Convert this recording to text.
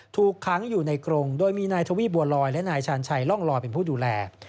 ถูกค้างอยู่ในกรงโดยมีนายทวีปบัวลอยและนายชาญชัยร่องลอยเป็นผู้ดูแล